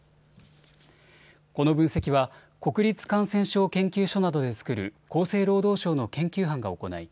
この分析は国立感染症研究所などで作る厚生労働省の研究班が行い